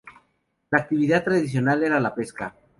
La actividad tradicional era la pesca.